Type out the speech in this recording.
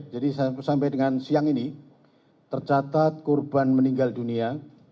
jadi saya sampai dengan siang ini tercatat korban meninggal dunia